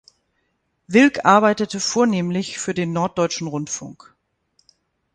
Wilk arbeitete vornehmlich für den Norddeutschen Rundfunk.